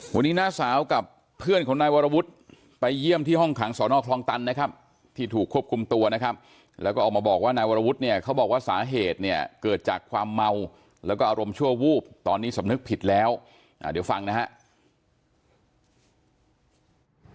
วันนี้น้าสาวกับเพื่อนของนายวรวุฒิไปเยี่ยมที่ห้องขังสอนอคลองตันนะครับที่ถูกควบคุมตัวนะครับแล้วก็ออกมาบอกว่านายวรวุฒิเนี่ยเขาบอกว่าสาเหตุเนี่ยเกิดจากความเมาแล้วก็อารมณ์ชั่ววูบตอนนี้สำนึกผิดแล้วเดี๋ยวฟังนะครับ